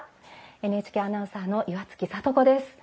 ＮＨＫアナウンサーの岩槻里子です。